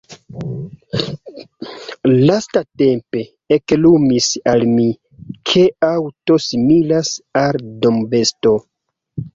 Lastatempe eklumis al mi, ke aŭto similas al dombesto.